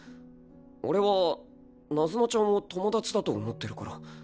俺はナズナちゃんを友達だと思ってるから。